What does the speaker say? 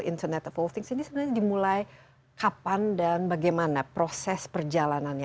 internet of all things ini sebenarnya dimulai kapan dan bagaimana proses perjalanannya